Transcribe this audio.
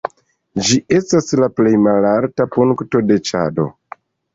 Ĝi estas la plej malalta punkto de Ĉado.